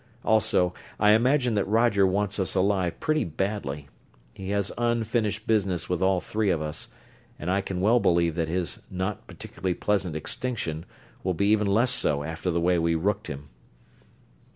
Also, I imagine that Roger wants us alive pretty badly. He has unfinished business with all three of us, and I can well believe that his 'not particularly pleasant extinction' will be even less so after the way we rooked him."